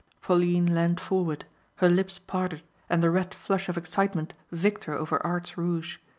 Pauline leaned forward her lips parted and the red flush of excitement victor over art's rouge.